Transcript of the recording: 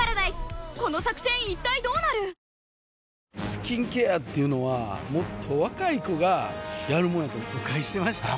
スキンケアっていうのはもっと若い子がやるもんやと誤解してました